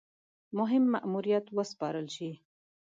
مهم ماموریت وسپارل شي.